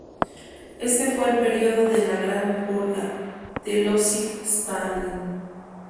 Este fue el periodo de la Gran Purga de Iósif Stalin.